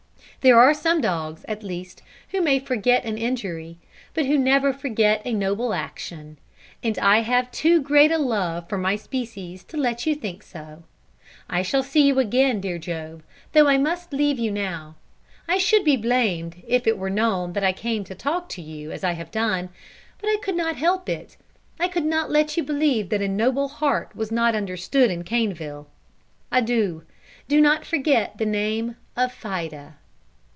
There are some dogs, at least, who may forget an injury, but who never forget a noble action, and I have too great a love for my species to let you think so. I shall see you again, dear Job, though I must leave you now. I should be blamed if it were known that I came here to talk to you as I have done; but I could not help it, I could not let you believe that a noble heart was not understood in Caneville. Adieu. Do not forget the name of Fida."